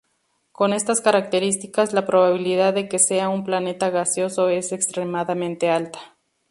Con estas características, la probabilidad de que sea un planeta gaseoso es extremadamente alta.